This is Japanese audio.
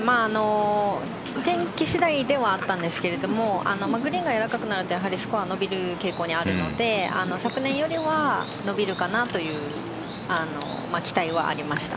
天気次第ではあったんですがグリーンがやわらかくなるとスコアが伸びる傾向にあるので昨年よりは伸びるかなという期待はありました。